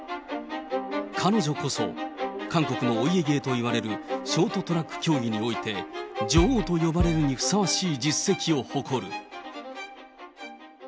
彼女こそ、韓国のお家芸といわれるショートトラック競技において、女王と呼ばれるにふさわしい実績を誇る。